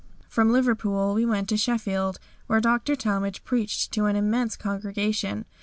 From Liverpool we went to Sheffield, where Dr. Talmage preached to an immense congregation.